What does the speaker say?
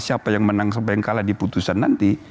siapa yang menang siapa yang kalah di putusan nanti